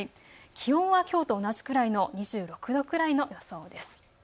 気温はきょうと同じくらいの２６度くらいの予想です。